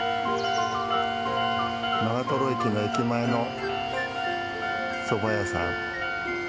長駅の駅前のそば屋さん。